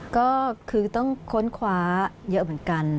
ก็คือต้องค้นคว้าเยอะเหมือนกัน